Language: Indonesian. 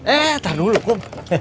eh tunggu dulu kum